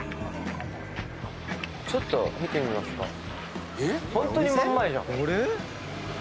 ちょっと見てみますか。